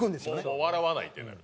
もう笑わないってなる。